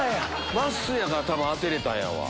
まっすーやから当てれたんやわ。